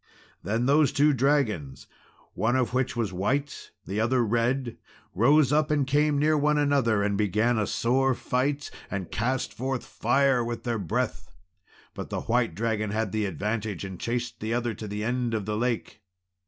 Then those two dragons, one of which was white, the other red, rose up and came near one another, and began a sore fight, and cast forth fire with their breath. But the white dragon had the advantage, and chased the other to the end of the lake.